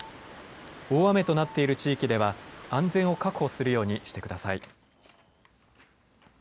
大雨となっている地域では安全を確保するようにしてください。